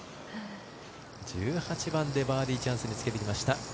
１８番でバーディーチャンスにつけてきました。